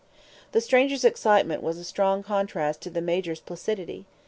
The stranger's excitement was a strong contrast to the Major's placidity.